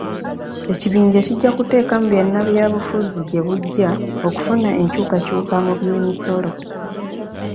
Ekibinja kijja kuteekamu bannabyabufuzi gye bujja okufuna enkyukakyuka mu by'emisolo.